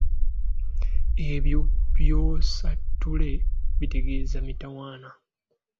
Ebyo byonsatule bitegeeza mitawaana.